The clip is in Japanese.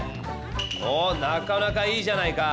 おなかなかいいじゃないか！